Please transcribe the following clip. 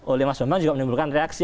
oleh mas bambang juga menimbulkan reaksi